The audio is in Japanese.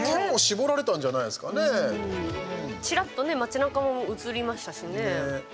ちらっと街中も映りましたしね。